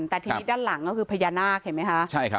แต่ทีนี้ด้านหลังก็คือพญานาคเห็นไหมคะ